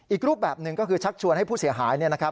อีกรูปแบบหนึ่งก็คือชักชวนให้ผู้เสียหาย